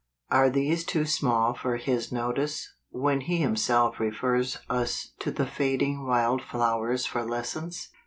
Are these too small for His notice, when He Himself refers us to the fading wild flowers for lessons